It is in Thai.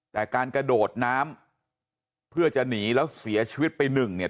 แต่การกระโดดน้ำเพื่อจะหนีแล้วเสียชีวิตไปหนึ่งเนี่ย